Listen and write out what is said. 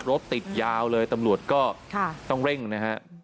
รถติดยาวเลยตำรวจก็ต้องเร่งนะฮะ